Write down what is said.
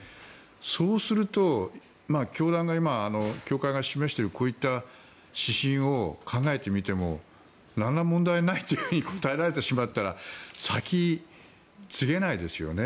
そうすると今、教会が示しているこういった指針を考えてみても何ら問題ないと答えられてしまったら先、つげないですよね。